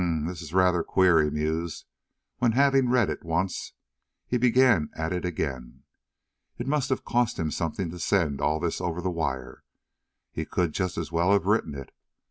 "Hum, this is rather queer," he mused, when having read it once, he began at it again. "It must have cost him something to send all this over the wire. He could just as well have written it.